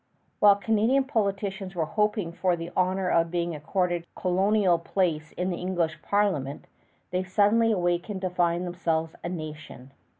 While Canadian politicians were hoping for the honor of being accorded colonial place in the English Parliament, they suddenly awakened to find themselves a nation.